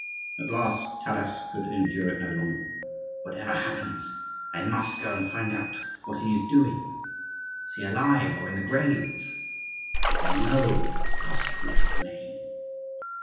At last Taras could endure it no longer. "Whatever happens, I must go and find out what he is doing. Is he alive, or in the grave? I will know, cost what it may!"